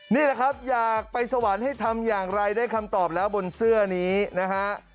นี่แหละครับอยากไปสวรรค์ให้ทำอย่างไรได้คำตอบแล้วบนเสื้อนี้นะฮะ